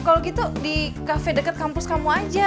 ya udah kalau gitu di cafe dekat kampus kamu aja